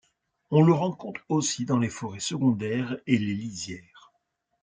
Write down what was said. On le rencontre aussi dans les forêts secondaires et les lisières.